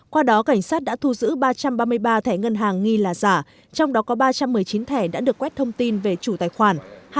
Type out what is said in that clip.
qua đó cảnh sát đã thu giữ ba trăm ba mươi ba thẻ ngân hàng nghi là giả trong đó có ba trăm một mươi chín thẻ đã được quét thông tin về chủ tài khoản